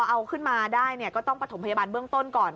เอาขึ้นมาได้ก็ต้องประถมพยาบาลเบื้องต้นก่อน